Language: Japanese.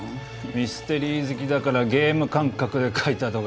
ミステリー好きだからゲーム感覚で書いたとか。